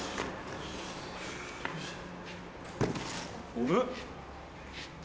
あれ？